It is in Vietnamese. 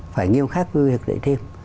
phải nghiêm khắc với việc dạy thêm